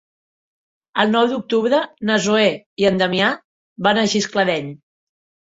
El nou d'octubre na Zoè i en Damià van a Gisclareny.